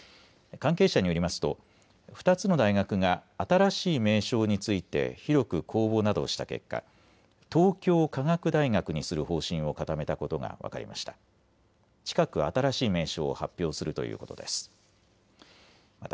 関係者によりますと２つの大学が新しい名称について広く公募などした結果、東京科学大学にする方針を固めたことが分かりました。